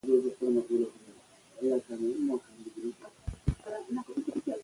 په ښوونځي کې د ماشومانو زړونه نه ماتېږي.